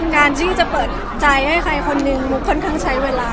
การที่จะเปิดใจให้ใครคนนึงมุกค่อนข้างใช้เวลา